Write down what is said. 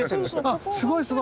あすごいすごい！